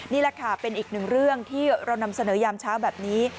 นี่แหละค่ะเป็นอีกหนึ่งเรื่องที่เรานำเสนอยามเช้าแบบนี้